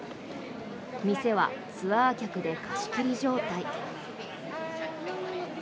店はツアー客で貸し切り状態。